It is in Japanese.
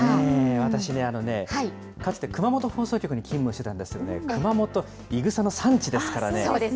私ね、かつて熊本放送局に勤務してたんですけどね、熊本、いぐさの産地ですからね。